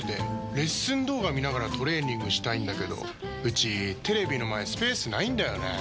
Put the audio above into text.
レッスン動画見ながらトレーニングしたいんだけどうちテレビの前スペースないんだよねー。